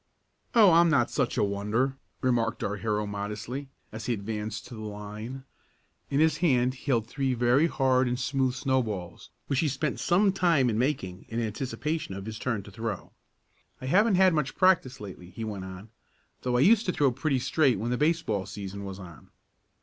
"Oh, I'm not such a wonder," remarked our hero modestly, as he advanced to the line. In his hand he held three very hard and smooth snowballs, which he spent some time in making in anticipation of his turn to throw. "I haven't had much practice lately," he went on, "though I used to throw pretty straight when the baseball season was on."